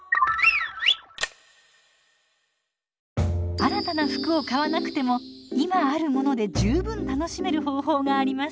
新たな服を買わなくても今あるもので十分楽しめる方法があります。